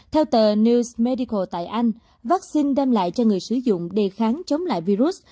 theo tờ news medical tại anh vaccine đem lại cho người sử dụng đề kháng chống lại virus